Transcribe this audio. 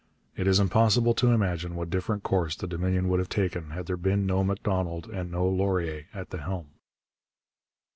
It is impossible to imagine what different course the Dominion would have taken had there been no Macdonald and no Laurier at the helm.